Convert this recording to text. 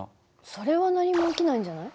それは何も起きないんじゃない？